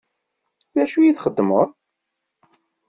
D acu ay txeddmeḍ?